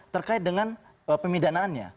terkait dengan pemidanaannya